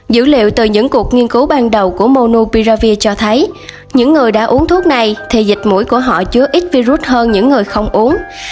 dữ liệu từ những cuộc nghiên cứu ban đầu của mono piravi cho thấy những người đã uống thuốc này thì dịch mũi của họ chứa ít virus hơn những người không uống